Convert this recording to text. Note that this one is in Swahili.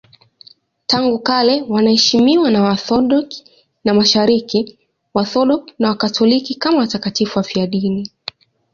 Tangu kale wanaheshimiwa na Waorthodoksi wa Mashariki, Waorthodoksi na Wakatoliki kama watakatifu wafiadini.